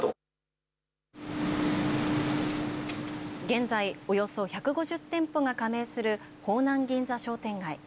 現在、およそ１５０店舗が加盟する方南銀座商店街。